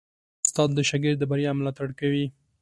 استاد د شاګرد د بریا ملاتړ کوي.